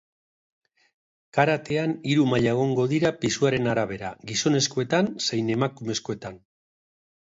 Karatean hiru maila egongo dira pisuaren arabera gizonezkoetan zein emakumezkoetan.